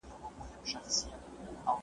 مداخله زیاته سوه